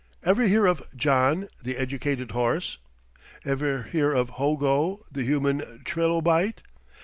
Ever hear of John, the Educated Horse? Ever hear of Hogo, the Human Trilobite?